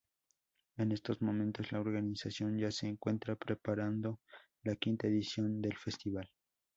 En estos momentos, la organización ya se encuentra preparando la quinta edición del festival.